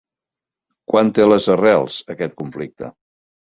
Quan té les arrels aquest conflicte?